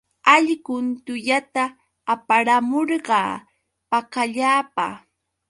Allqun tullata aparamurqa pakallapa.